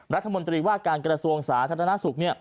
รัฐมนตรีว่าการกรสวงศาสนาศุกร์